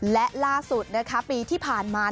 และล่าสุดนะคะปีที่ผ่านมา